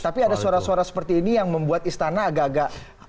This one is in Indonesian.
tapi ada suara suara seperti ini yang membuat istana agak agak